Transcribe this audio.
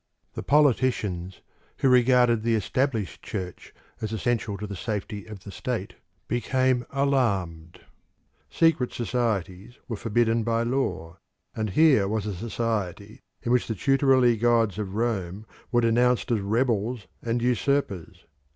The politicians who regarded the established Church as essential to the safety of the state became alarmed. Secret societies were forbidden by law, and here was a society in which the tutelary gods of Rome were denounced as rebels and usurpers.